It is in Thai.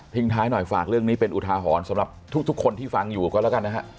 ท้ายหน่อยฝากเรื่องนี้เป็นอุทาหรณ์สำหรับทุกคนที่ฟังอยู่ก็แล้วกันนะฮะ